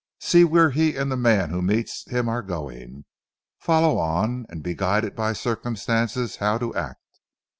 See where he and the man who meets him are going, follow on, and be guided by circumstances how to act.